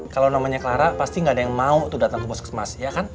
kalau namanya clara pasti gak ada yang mau datang ke bos kemas ya kan